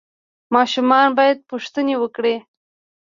ماشومان باید پوښتنې وکړي.